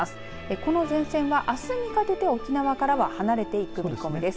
この前線はあすにかけて沖縄からは離れていく見込みです。